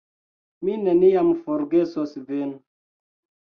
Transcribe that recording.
Mi neniam forgesos vin!